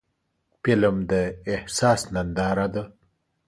فلم د احساس ننداره ده